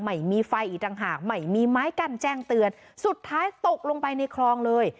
ไม่มีไฟอีกต่างหากไม่มีไม้กั้นแจ้งเตือนสุดท้ายตกลงไปในคลองเลย